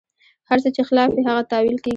هر څه چې خلاف وي، هغه تاویل کېږي.